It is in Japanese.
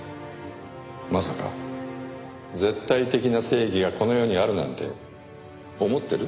まさか絶対的な正義がこの世にあるなんて思ってる？